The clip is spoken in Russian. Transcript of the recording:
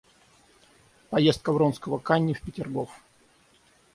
Поездка Вронского к Анне в Петергоф.